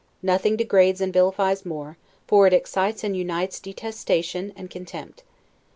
Nothing degrades and vilifies more, for it excites and unites detestation and contempt.